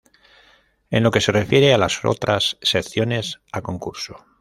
En lo que se refiere a las otras secciones a concurso.